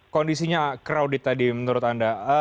kondisinya crowded tadi menurut anda